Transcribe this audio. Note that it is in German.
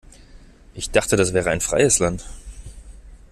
Ich dachte, das wäre ein freies Land.